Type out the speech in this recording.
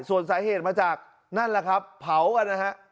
ส่วนสาเหตุมาจากนั่นแหละครับเผากันนะฮะ